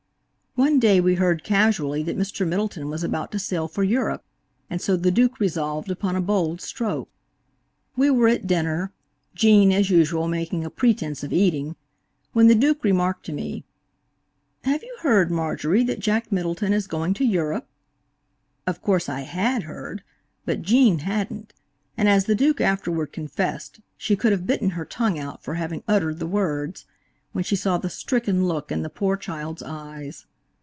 One day we heard casually that Mr. Middleton was about to sail for Europe, and so the Duke resolved upon a bold stroke. We were at dinner–Gene, as usual, making a pretense of eating–when the Duke remarked to me; "Have you heard, Marjorie, that Jack Middleton is going to Europe?" Of course I had heard, but Gene hadn't, and as the Duke afterward confessed, she could have bitten her tongue out for having uttered the words, when she saw the stricken look in the poor child's eyes.